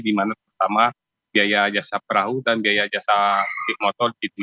di mana pertama biaya jasa perahu dan biaya jasa motor gitu